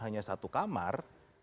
hanya satu kamar